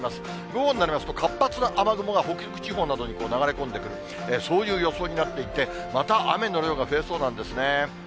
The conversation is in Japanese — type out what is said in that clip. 午後になりますと、活発な雨雲が北陸地方などに流れ込んでくる、そういう予想になっていて、また雨の量が増えそうなんですね。